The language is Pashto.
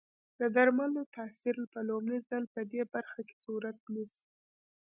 د درملو تاثیر په لومړي ځل پدې برخه کې صورت نیسي.